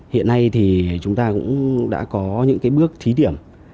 hiện nay thì chúng ta cũng đã có những bước thí điểm